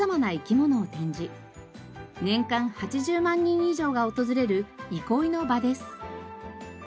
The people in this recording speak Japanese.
年間８０万人以上が訪れる憩いの場です。